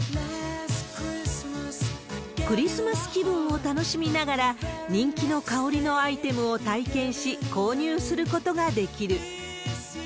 クリスマス気分を楽しみながら、人気の香りのアイテムを体験し、購入することができる。